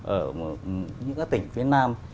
ở những cái tỉnh phía nam